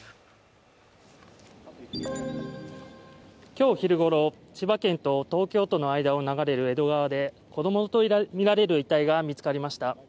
今日昼ごろ、千葉県と東京都の間を流れる江戸川で子供とみられる遺体が見つかりました。